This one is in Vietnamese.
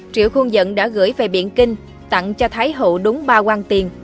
triệu khuôn dận đã gửi về biển kinh tặng cho thái hậu đúng ba quang tiền